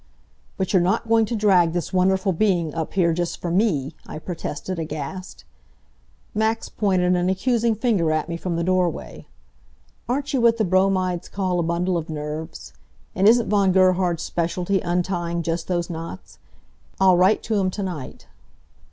"But you're not going to drag this wonderful being up here just for me!" I protested, aghast. Max pointed an accusing finger at me from the doorway. "Aren't you what the bromides call a bundle of nerves? And isn't Von Gerhard's specialty untying just those knots? I'll write to him to night."